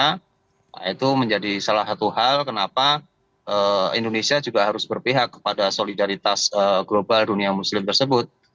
nah itu menjadi salah satu hal kenapa indonesia juga harus berpihak kepada solidaritas global dunia muslim tersebut